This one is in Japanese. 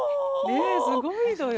ねえすごいのよ